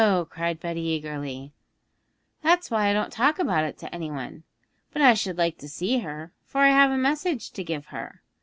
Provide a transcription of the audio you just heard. cried Betty eagerly, 'that's why I don't talk about it to any one; but I should like to see her, for I have a message to give her.